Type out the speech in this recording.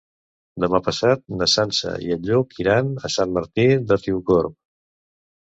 Demà passat na Sança i en Lluc iran a Sant Martí de Riucorb.